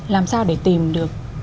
làm sao để tìm được